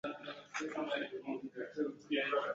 全港三间分店都位于中高档商场内。